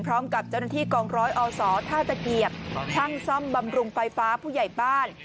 พร้อมกับเจ้าหน้าที่กองร้อยอศท่าตะเกียบช่างซ่อมบำรุงไฟฟ้าผู้ใหญ่บ้าน